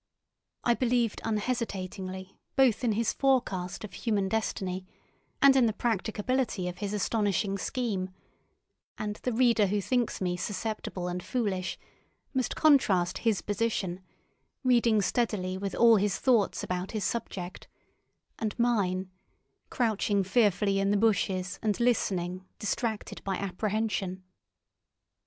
I believed unhesitatingly both in his forecast of human destiny and in the practicability of his astonishing scheme, and the reader who thinks me susceptible and foolish must contrast his position, reading steadily with all his thoughts about his subject, and mine, crouching fearfully in the bushes and listening, distracted by apprehension.